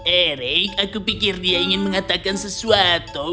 erik aku pikir dia ingin mengatakan sesuatu